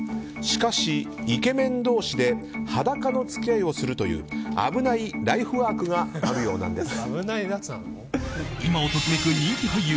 しかし、イケメン同士で裸の付き合いをするという危ないライフワークがあるようなんです。